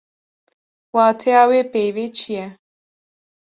Wateya wê peyvê çi ye?